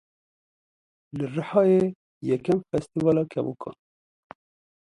Li Rihayê yekem Festîvala Kevokan.